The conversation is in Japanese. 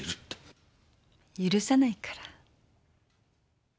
許さないから。